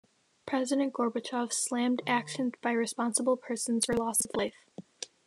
President Gorbachev slammed "actions by irresponsible persons" for loss of life.